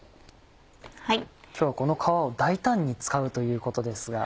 今日はこの皮を大胆に使うということですが。